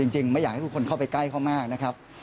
ไม่อยากให้ทุกคนเข้าไปใกล้เขามากนะครับ